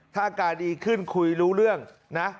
ถ้าอาการดีขึ้นคุยรู้เรื่องนะ